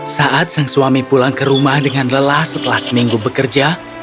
saat sang suami pulang ke rumah dengan lelah setelah seminggu bekerja